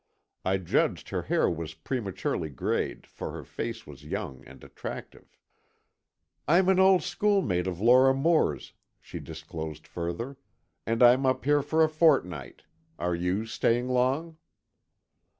I judged her hair was prematurely grayed, for her face was young and attractive. "I'm an old schoolmate of Lora Moore's," she disclosed further, "and I'm up here for a fortnight. Are you staying long?"